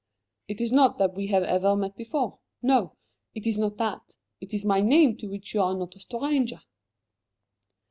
"It is not that we have ever met before no, it is not that. It is my name to which you are not a stranger."